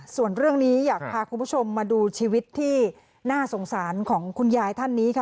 ส่วนเรื่องนี้อยากพาคุณผู้ชมมาดูชีวิตที่น่าสงสารของคุณยายท่านนี้ค่ะ